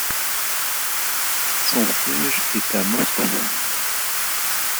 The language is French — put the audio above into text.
Son siège est à Moscou.